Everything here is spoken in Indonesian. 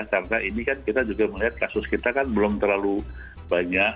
karena ini kan kita juga melihat kasus kita kan belum terlalu banyak